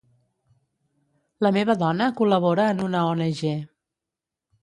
La meva dona col·labora en una ONG.